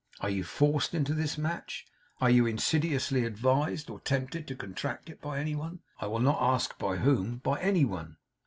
Are you forced into this match? Are you insidiously advised or tempted to contract it, by any one? I will not ask by whom; by any one?